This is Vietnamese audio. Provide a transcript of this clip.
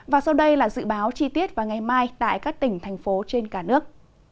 và sau đây là dự báo chi tiết vào ngày mai tại các tỉnh thành phố trên cả nước